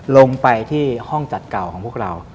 ลงไปที่ห้องจัดเก่าของพวกเรา